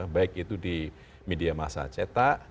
baik itu di media masa cetak